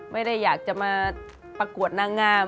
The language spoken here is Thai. ไม่ได้อยากจะมาประกวดนางงาม